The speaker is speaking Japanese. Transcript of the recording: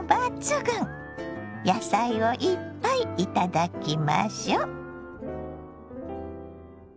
野菜をいっぱいいただきましょ。